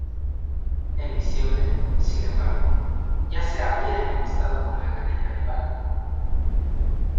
En diciembre, sin embargo, ya se había enemistado con la guerrilla rival.